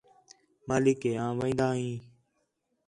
مالک ہے آں ویندا ہیں